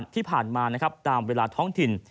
ที่ผ่านมานะครับตามเวลาท้องถิ่น